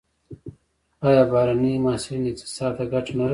آیا بهرني محصلین اقتصاد ته ګټه نه رسوي؟